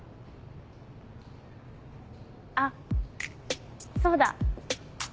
あっそうだ。